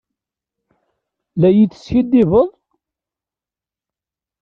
La yi-teskiddibeḍ?